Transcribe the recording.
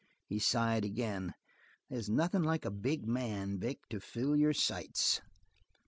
He sighed again. "They's nothing like a big man, Vic, to fill your sights."